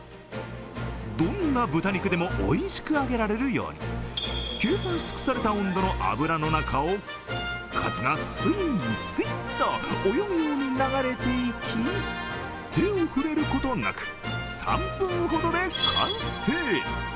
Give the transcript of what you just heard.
どんな豚肉でもおいしく揚げられるように計算し尽くされた温度の油の中を、カツがすいすいっと泳ぐように流れていき、手を触れることなく３分ほどで完成。